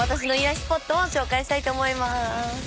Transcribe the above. スポットを紹介したいと思います。